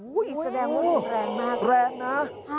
อุ้ยแรงมาก